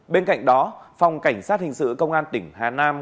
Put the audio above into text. bên cạnh đó phòng cảnh sát hình sự công an tỉnh hà nam